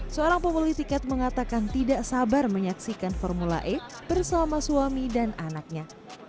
seorang pembeli tiket mengatakan tidak sabar menyaksikan formula e bersama suami dan anaknya